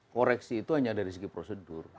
koreksi itu hanya dari segi prosedur